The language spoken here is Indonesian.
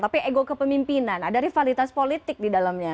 tapi ego kepemimpinan ada rivalitas politik di dalamnya